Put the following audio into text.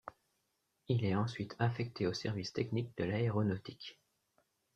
Il est ensuite affecté au Service technique de l'aéronautique.